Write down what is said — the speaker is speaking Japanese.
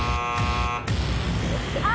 あ！